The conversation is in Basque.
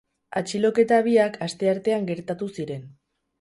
Atxiloketa biak asteartean gertatu ziren.